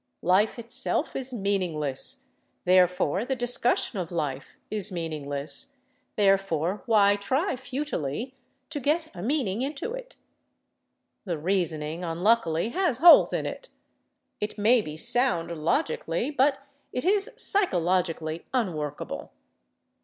Life itself is meaningless; therefore, the discussion of life is meaningless; therefore, why try futilely to get a meaning into it? The reasoning, unluckily, has holes in it. It may be sound logically, but it is psychologically unworkable.